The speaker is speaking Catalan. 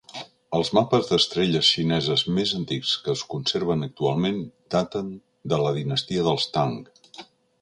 Els mapes d"estrelles xineses més antics que es conserven actualment daten de la dinastia dels Tang.